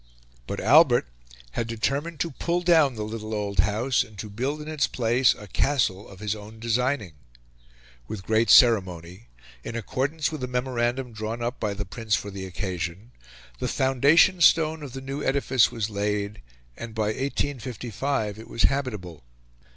But Albert had determined to pull down the little old house, and to build in its place a castle of his own designing. With great ceremony, in accordance with a memorandum drawn up by the Prince for the occasion, the foundation stone of the new edifice was laid, and by 1855 it was habitable.